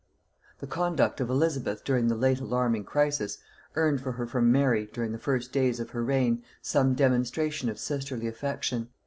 The conduct of Elizabeth during the late alarming crisis, earned for her from Mary, during the first days of her reign, some demonstration of sisterly affection.